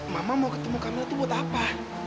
mama mau ketemu kami itu buat apa